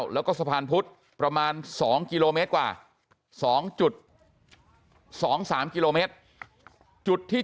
แล้วก็สะพานพุธประมาณ๒กิโลเมตรกว่า๒๒๓กิโลเมตรจุดที่